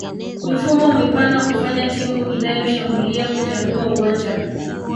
Mifumo mipana hufanya timu inayoshambulia kutanua uwanja